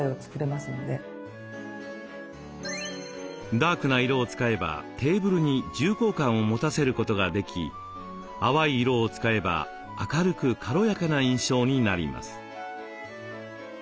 ダークな色を使えばテーブルに重厚感を持たせることができ淡い色を使えば明るく軽やかな印象になります。